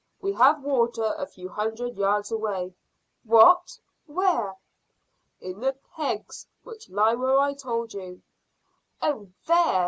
We have water a few hundred yards away." "What! Where?" "In the kegs, which lie where I told you." "Oh, there!"